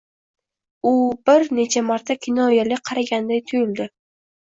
U bir necha marta kinoyali qaraganday tuyuldi